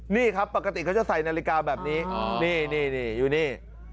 นี่ครับปกติเขาจะใส่นาฬิกาแบบนี้นี่อยู่นี่